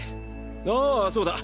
ああそうだ。